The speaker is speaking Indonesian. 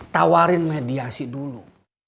tawarin mediasi dulu